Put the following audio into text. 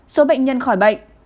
số bệnh nhân khỏi bệnh